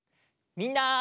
みんな！